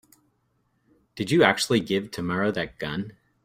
Did you actually give Tamara that gun?